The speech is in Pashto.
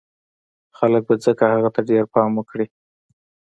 خلک به ځکه هغه ته ډېر پام وکړي